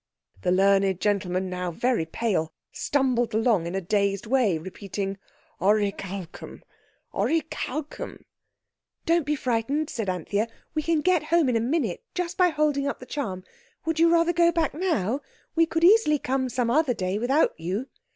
The learned gentleman, now very pale, stumbled along in a dazed way, repeating: "Oricalchum—oricalchum." "Don't be frightened," said Anthea; "we can get home in a minute, just by holding up the charm. Would you rather go back now? We could easily come some other day without you."